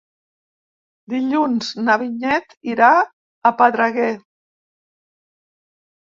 Dilluns na Vinyet irà a Pedreguer.